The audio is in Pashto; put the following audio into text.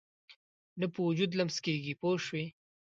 نه په وجود لمس کېږي پوه شوې!.